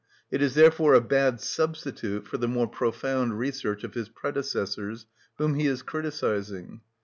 It is therefore a bad substitute for the more profound research of his predecessors, whom he is criticising.